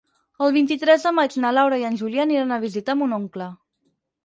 El vint-i-tres de maig na Laura i en Julià aniran a visitar mon oncle.